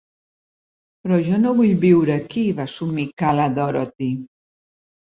"Però jo no vull viure aquí", va somicar la Dorothy.